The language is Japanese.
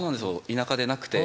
田舎でなくて。